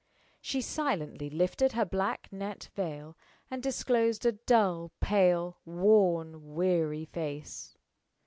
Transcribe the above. She silently lifted her black net veil and disclosed a dull, pale, worn, weary face.